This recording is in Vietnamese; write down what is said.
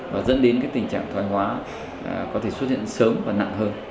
nó dẫn đến cái tình trạng thoai hóa có thể xuất hiện sớm và nặng hơn